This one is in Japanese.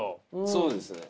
そうですね。